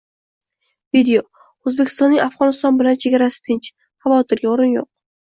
Video: O‘zbekistonning Afg‘oniston bilan chegarasi tinch, xavotirga o‘rin yo‘q